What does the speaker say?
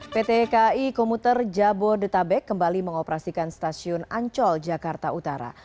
ptki komuter jabodetabek kembali mengoperasikan stasiun ancol jakarta utara